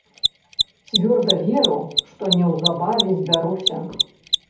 Цвёрда веру, што неўзабаве збяруся.